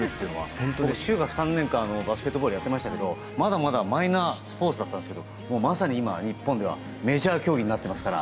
僕、中学３年間バスケットボールをやってましたけどまだまだマイナースポーツだったんですがまさに今、日本ではメジャー競技になっていますから。